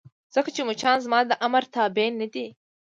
ځکه چې مچان زما د امر تابع نه دي.